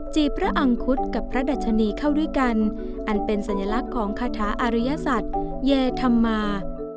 จีบพระอังคุฎกับพระดัชนีเข้าด้วยกันอันเป็นสัญลักษณ์ของคาถาอาริยสัตว์เยธรรมา